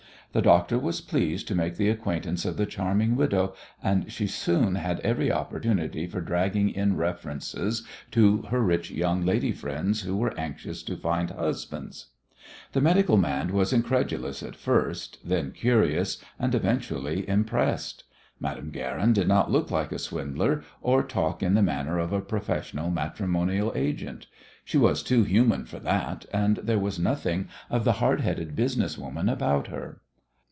The doctor was pleased to make the acquaintance of the charming widow, and she soon had every opportunity for dragging in references to her rich young lady friends who were anxious to find husbands. The medical man was incredulous at first, then curious, and eventually impressed. Madame Guerin did not look like a swindler or talk in the manner of a professional matrimonial agent. She was too human for that, and there was nothing of the hard headed business woman about her.